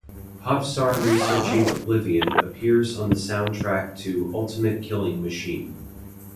'Popstar Researching Oblivion' appears on the soundtrack to 'Ultimate Killing Machine'.